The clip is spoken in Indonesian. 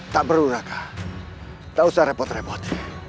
tak perlu raga tak usah repot repot